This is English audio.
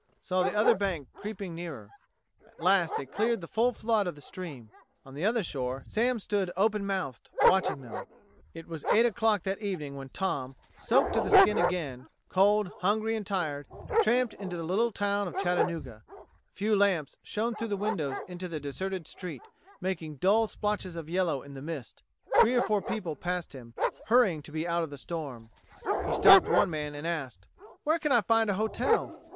saw the other bank creeping nearer. At last they cleared the full flood of the stream. On the other shore, Sam stood open mouthed, watching them. [Illustration: The little ferryboat pitched and turned in the current of the river.] It was eight o'clock that evening when Tom, soaked to the skin again, cold, hungry, and tired, tramped into the little town of Chattanooga. A few lamps shone through the windows into the deserted street, making dull splotches of yellow in the mist. Three or four people passed him, hurrying to be out of the storm. He stopped one man and asked: "Where can I find a hotel?"